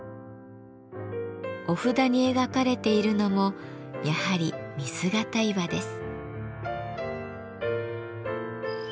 お札に描かれているのもやはり御姿岩です。